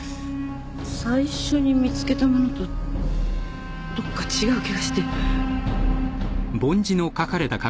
最初に見つけたものとどっか違う気がして。